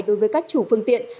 đối với các chủ phương tiện